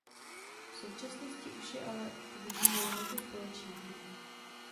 V současnosti už je ale uvidíme jen jako společníky.